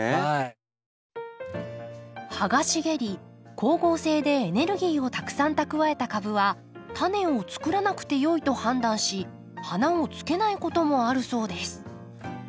葉が茂り光合成でエネルギーをたくさん蓄えた株はタネをつくらなくてよいと判断し花をつけないこともあるそうです。